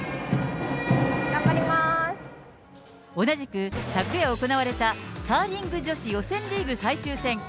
同じく昨夜行われたカーリング女子予選リーグ最終戦。